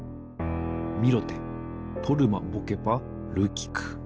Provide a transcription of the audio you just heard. ミロテトルマボケパルキク。